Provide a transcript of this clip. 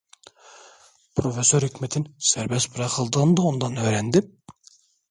Profesör Hikmet’in serbest bırakıldığını da ondan öğrendim!